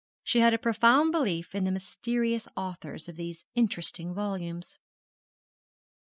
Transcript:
She had a profound belief in the mysterious authors of these interesting volumes.